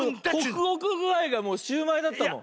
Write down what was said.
ホクホクぐあいがもうシューマイだったもん。